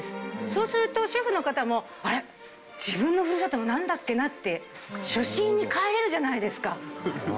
そうするとシェフの方も「あれ自分のふるさとなんだっけな？」って初心に帰れるじゃないですか。